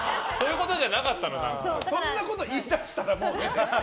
そんなこと言い出したらもうね。